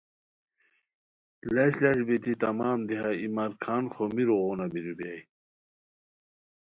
لش لش بیتی تمام دیہہ ای مرکھان خومیرو غونہ بیرو بیرائے